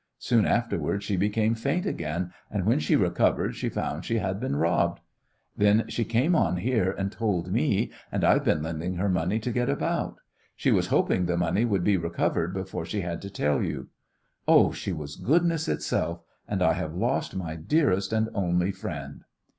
Soon afterwards she became faint again, and when she recovered she found she had been robbed. Then she came on here and told me, and I've been lending her money to get about. She was hoping the money would be recovered before she had to tell you. Oh, she was goodness itself, and I have lost my dearest and only friend."